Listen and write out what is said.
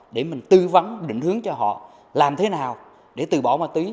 để mình tư vấn định hướng cho họ làm thế nào để từ bỏ ma túy